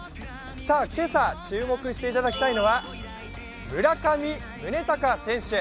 今朝、注目していただきたいのは村上宗隆選手。